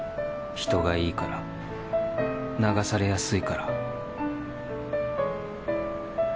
人がいいから流されやすいから